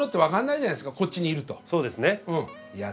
そうですね。